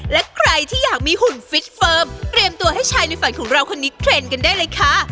และใครที่อยากมีหุ่นฟิตเฟิร์มเตรียมตัวให้ชายในฝันของเราคนนี้เทรนด์กันได้เลยค่ะ